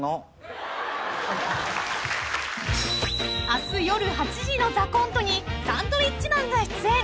［明日夜８時の『ＴＨＥＣＯＮＴＥ』にサンドウィッチマンが出演］